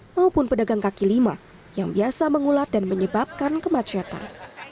maupun pedagang kaki lima yang biasa mengulat dan menyebabkan kemacetan